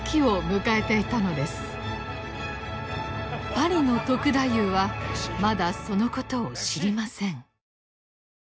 パリの篤太夫はまだそのことを知りません。